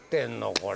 これ。